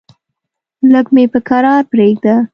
لږ مې په کرار پرېږده!